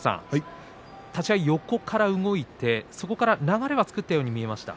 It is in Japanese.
立ち合い横から動いてそこから流れは作ったように見えました。